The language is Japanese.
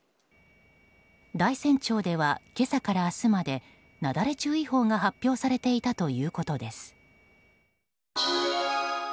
大山町では今朝から明日まで雪崩注意報が発表されていたということです。